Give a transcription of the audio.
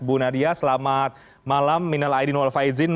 bu nadia selamat malam minal aidin wal faizin